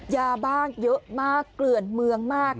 ยาบ้าเยอะมากเกลื่อนเมืองมาก